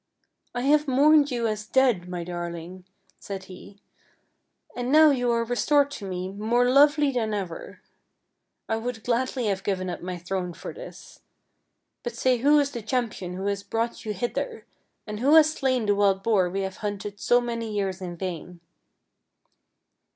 " I have mourned you as dead, my darling," said he, " and now you are restored to me more lovely than ever. I would gladly have given up my throne for this. But say who is the cham pion who has brought you hither, and who has slain the wild boar we have hunted so many years in vain?